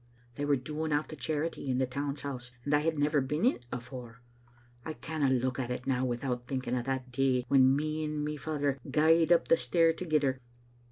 They were doling out the charity in the Town's House, and I had never beenin't afore. I canna look at it now without thinking o' that day When me and my father gaed up the stair thegither.